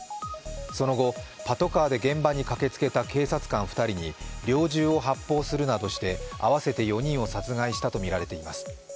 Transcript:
その後、パトカーで現場に駆けつけた警察官２人に猟銃を発砲するなどして合わせて４人を殺害したとみられています。